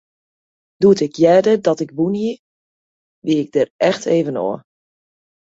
Doe't ik hearde dat ik wûn hie, wie ik der echt even ôf.